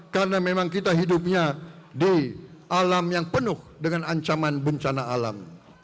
karena memang kita hidupnya di alam yang penuh dengan ancaman bencana alam